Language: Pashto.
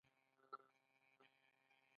پاچاهانو او شهزادګانو په ګټه را څرخېدل.